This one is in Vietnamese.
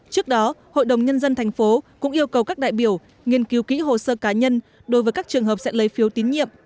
trước đó hội đồng nhân dân thành phố cũng yêu cầu các đại biểu nghiên cứu kỹ hồ sơ cá nhân đối với các trường hợp sẽ lấy phiếu tín nhiệm